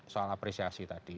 soal apresiasi tadi